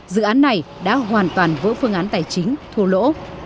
dự án này đã hoàn toàn vỡ phương án tài chính thua lỗ